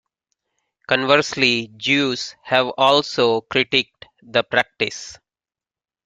Conversely, Jews have also critiqued the practice.